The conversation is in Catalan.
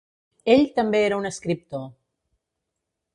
Ell també era un escriptor.